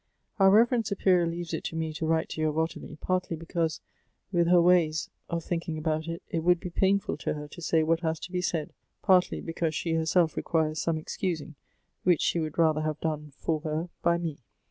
" Our reverend superior leaves it to me to write to you of Ottilie, partly because, with her ways of thinking about 46 Goethe's it, it would be painful to her to say what has to be said ; partly, because she herself requires some excusing, which she would rather have done for her by me.